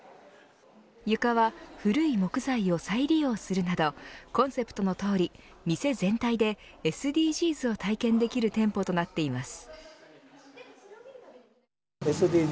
床は古い木材を再利用するなどコンセプトのとおり、店全体でＳＤＧｓを体験できる店舗となっています。